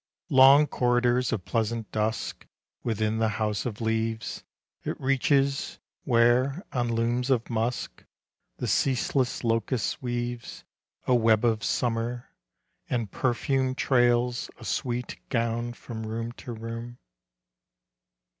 Long corridors of pleasant dusk Within the house of leaves It reaches; where, on looms of musk, The ceaseless locust weaves A web of summer; and perfume Trails a sweet gown from room to room.